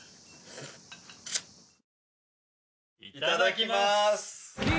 いただきます。